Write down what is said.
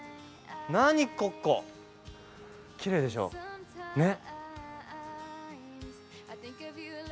何ここ、きれいでしょ？ね。